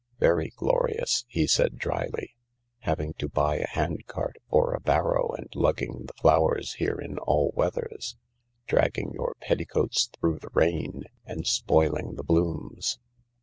" Very glorious," he said drily, " havingto buy a hand cart or a barrow and lugging the flowers here in all weathers, dragging your petticoats through the rain, and spoiling the blooms.